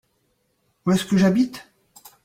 Où est-ce que j'habite ?